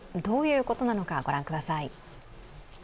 どういうことなのか御覧ください。